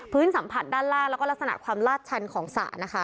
สัมผัสด้านล่างแล้วก็ลักษณะความลาดชันของสระนะคะ